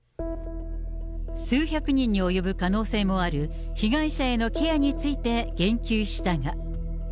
数百人に及ぶ可能性もある被害者へのケアについて言及したが。